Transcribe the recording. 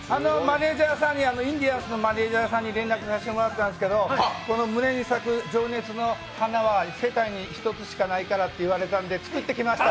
インディアンスさんのマネージャーさんに連絡させてもらったんですけど、胸に咲く情熱の花は世界に１つしかないからと言われて作ってきました！